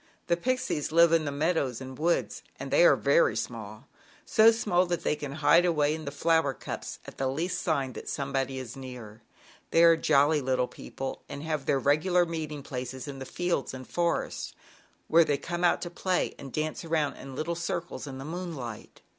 The Pixies live in the meadows and woods, and they are very small, so small that they can hide away in the flower cups at the least sign that some body is near. They are jolly little people and have their regular meeting places in the fields and forests, where they come out to play and dance around in circles, in the moonlight.